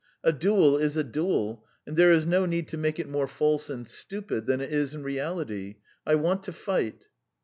A duel is a duel, and there is no need to make it more false and stupid than it is in reality. I want to fight!"